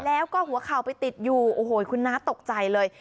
แล้วก็หัวเข่าไปติดอยู่โอ้โหคุณน้าตกใจเลย